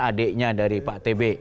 adiknya dari pak tb